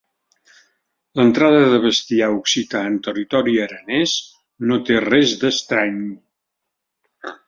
L'entrada de bestiar occità en territori aranès no té res d'estrany.